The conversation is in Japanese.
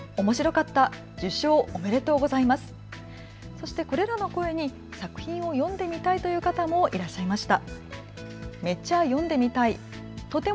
そしてこれらの声に作品を読んでみたいという方もいらっしゃいました。